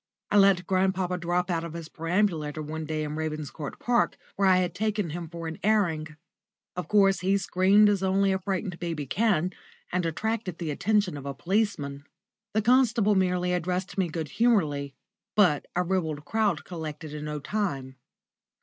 I let grandpapa drop out of his perambulator one day in Ravenscourt Park, where I had taken him for an airing. Of course, he screamed as only a frightened baby can, and attracted the attention of a policeman. The constable merely addressed me good humouredly, but a ribald crowd collected in no time.